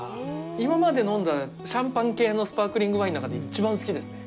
今まで飲んだシャンパン系のスパークリングワインの中で一番好きですね。